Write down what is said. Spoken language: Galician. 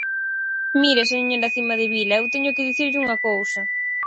Mire, señora Cimadevila, eu teño que dicirlle unha cousa.